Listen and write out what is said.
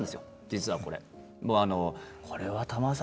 実はこれ。